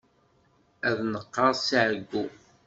Ad neqqerṣ si ɛeggu.